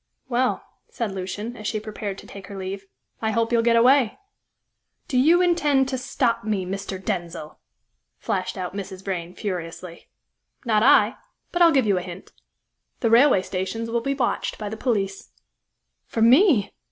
"Well," said Lucian, as she prepared to take her leave, "I hope you'll get away." "Do you intend to stop me, Mr. Denzil?" flashed out Mrs. Vrain, furiously. "Not I; but I'll give you a hint the railway stations will be watched by the police." "For me?"